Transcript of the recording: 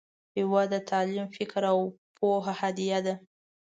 هیواد ته تعلیم، فکر، او پوهه هدیه ده